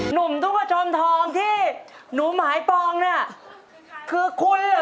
หนุ่มทุกขชมทองที่หนูหมายปองเนี่ยคือคุณหรือครับ